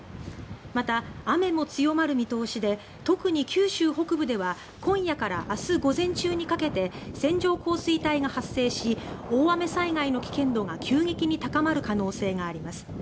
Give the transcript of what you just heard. また、雨も強まる見通しで特に九州北部では今夜から明日午前中にかけて線状降水帯が発生し大雨災害の危険度が急激に高まる可能性があります。